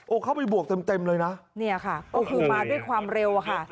เข้าไปบวกเต็มเต็มเลยนะเนี่ยค่ะก็คือมาด้วยความเร็วอะค่ะ